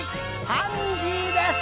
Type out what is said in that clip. パンジーです。